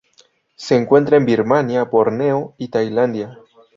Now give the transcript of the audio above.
Se encuentra en Birmania, Borneo y Tailandia.